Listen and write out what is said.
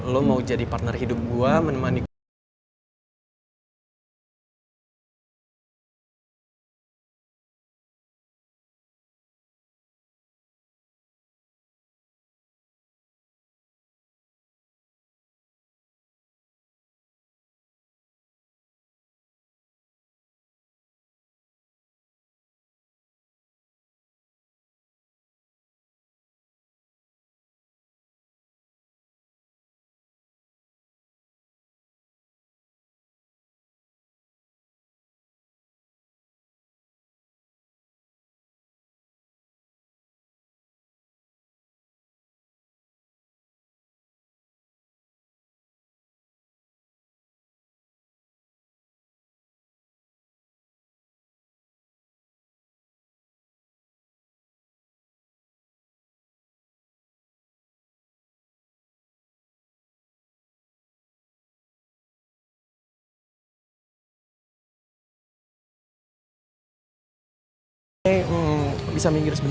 lu mau jadi partner hidup gue menemani gue